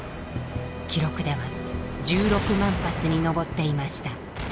記録では１６万発に上っていました。